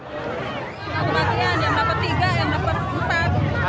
kematian yang dapat tiga yang dapat empat